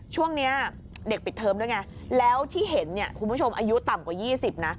ช่วงนี้เด็กปิดเทอมด้วยไงแล้วที่เห็นเนี่ยคุณผู้ชมอายุต่ำกว่า๒๐นะ